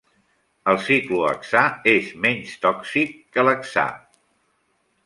El ciclohexà és menys tòxic que l'hexà.